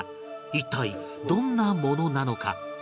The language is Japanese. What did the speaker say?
一体どんなものなのか？